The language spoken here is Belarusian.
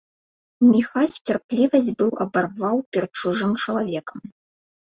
Міхась цярплівасць быў абарваў перад чужым чалавекам.